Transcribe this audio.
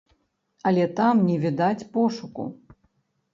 Але там не відаць пошуку.